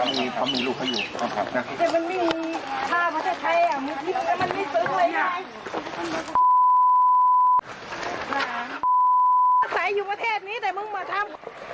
อาศัยอยู่ประเทศนี้แต่มึงมาทำ